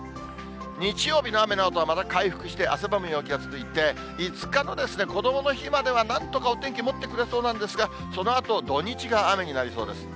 日曜日の雨のあとはまた回復して、汗ばむ陽気が続いて、５日のですね、こどもの日まではなんとかお天気もってくれそうなんですが、そのあと、土日が雨になりそうです。